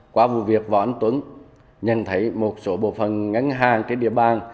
qua vụ việc võ anh tuấn nhận thấy một số bộ phần ngân hàng trên địa bàn